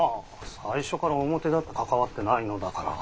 最初から表立って関わってないのだから。